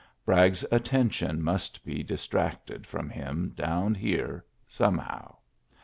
Bragg' s attention must be distracted from him down here, somehow.